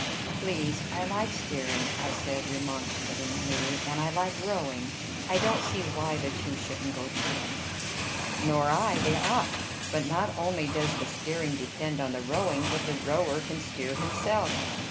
"Please, I like steering," I said remonstratingly. "And I like rowing." "I don't see why the two shouldn't go together." "Nor I. They ought. But not only does the steering depend on the rowing, but the rower can steer himself."